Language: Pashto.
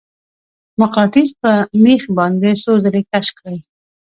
مقناطیس په میخ باندې څو ځلې کش کړئ.